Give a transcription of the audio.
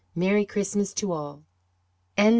Merry Christmas to all." XXIV.